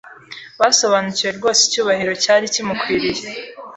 basobanukiwe rwose icyubahiro cyari kimukwiriye